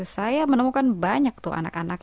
saya menemukan banyak tuh anak anak